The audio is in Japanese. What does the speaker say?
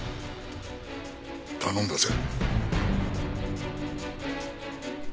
頼んだぜ。